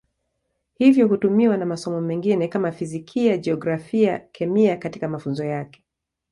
Hivyo hutumiwa na masomo mengine kama Fizikia, Jiografia, Kemia katika mafunzo yake.